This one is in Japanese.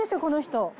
この人。